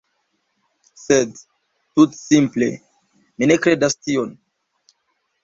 Sed, tutsimple, mi ne kredas tion.